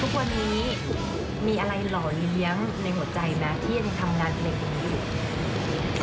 ทุกวันนี้มีอะไรหล่อยเลี้ยงในหัวใจไหมที่ทำงานเป็นเด็กอยู่อยู่